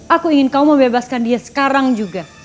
aku ingin kau membebaskan dia sekarang juga